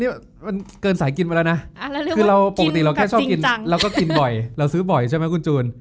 นี่มันเกินสายกินไปแล้วนะคือเราปกติเราแค่ชอบกินเราก็กินบ่อยเราซื้อบ่อยใช่ไหมคุณจูน